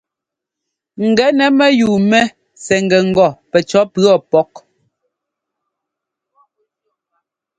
Gɛnɛ mɛyúu mɛ sɛ́ ŋ́gɛ ŋgɔ pɛcɔ̌ pʉɔ pɔ́k.